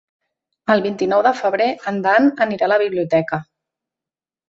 El vint-i-nou de febrer en Dan anirà a la biblioteca.